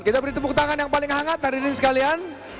kita beri tepuk tangan yang paling hangat hari ini sekalian